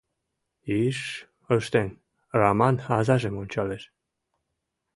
— Иш-ш! — ыштен, Раман азажым ончалеш.